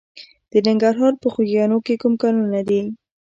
د ننګرهار په خوږیاڼیو کې کوم کانونه دي؟